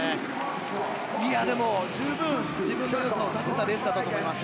でも、十分自分のよさを出せたレースだったと思います。